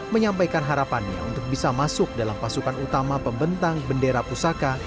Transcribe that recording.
menyampaikan harapannya untuk bisa masuk dalam pasukan utama pembentang bendera pusaka